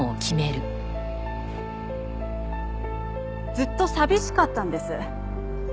ずっと寂しかったんです。